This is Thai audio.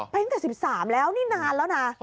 เป็นตั้งแต่๑๓แล้วนี่นานแล้วนะ